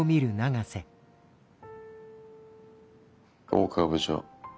大河部長。